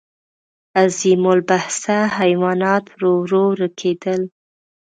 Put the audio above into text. عظیم الجثه حیوانات ورو ورو ورکېدل.